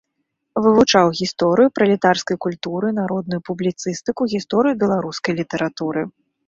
Вывучаў гісторыю пралетарскай культуры, народную публіцыстыку, гісторыю беларускай літаратуры.